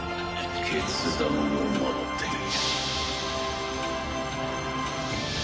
決断を待っている。